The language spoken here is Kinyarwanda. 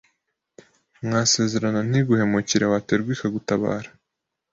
mwasezerana ntiguhemukire, waterwa ikagutabara,